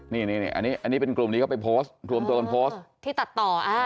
นี่อันนี้เป็นกลุ่มนี้เขาไปโพสต์ที่ตัดต่อ